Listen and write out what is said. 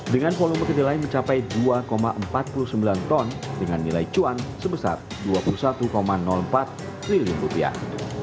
dengan volume kedelai mencapai dua empat puluh sembilan ton dengan nilai cuan sebesar dua puluh satu empat triliun rupiah